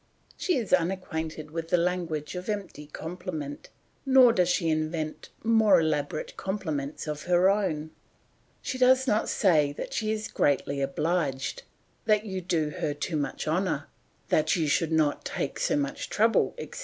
She is unacquainted with the language of empty compliment, nor does she invent more elaborate compliments of her own; she does not say that she is greatly obliged, that you do her too much honour, that you should not take so much trouble, etc.